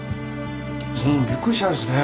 うんびっくりしたですね。